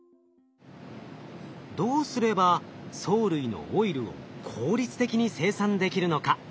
どうすれば藻類のオイルを効率的に生産できるのか？